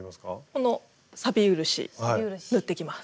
この漆塗っていきます。